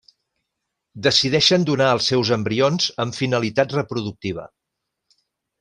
Decideixen donar els seus embrions amb finalitat reproductiva.